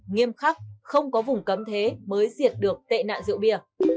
nghiêm khắc không có vùng cấm thế mới diệt được tệ nạn rượu bia